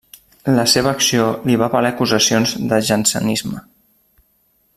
La seva acció li va valer acusacions de jansenisme.